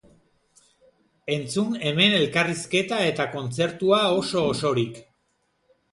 Entzun hemen elkarrizketa eta kontzertua oso-osorik!